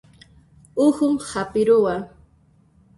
Uhun hap'iruwan